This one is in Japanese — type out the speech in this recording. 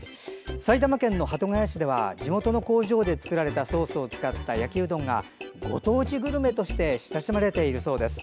埼玉県の鳩ヶ谷市では地元の工場で作られたソースを使った焼きうどんがご当地グルメとして親しまれているそうです。